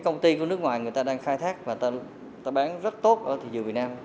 công ty của nước ngoài người ta đang khai thác và ta bán rất tốt ở thị trường việt nam